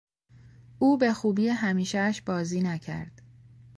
او به خوبی همیشهاش بازی نکرد.